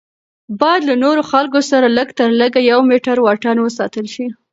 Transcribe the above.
باید له نورو خلکو سره لږ تر لږه یو میټر واټن وساتل شي.